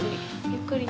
ゆっくり。